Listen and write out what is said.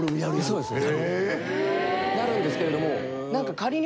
そうですね。